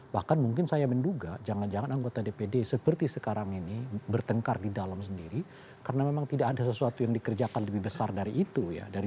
bahkan mungkin saya menduga jangan jangan anggota dpd seperti sekarang ini bertengkar di dalam sendiri karena memang tidak ada sesuatu yang dikerjakan lebih besar dari itu ya